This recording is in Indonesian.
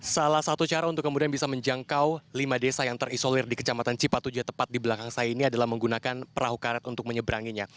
salah satu cara untuk kemudian bisa menjangkau lima desa yang terisolir di kecamatan cipatuja tepat di belakang saya ini adalah menggunakan perahu karet untuk menyeberanginya